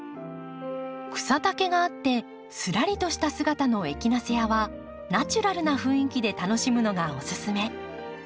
草丈があってすらりとした姿のエキナセアはナチュラルな雰囲気で楽しむのがオススメ。